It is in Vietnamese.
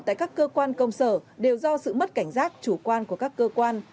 tại các cơ quan công sở đều do sự mất cảnh giác chủ quan của các cơ quan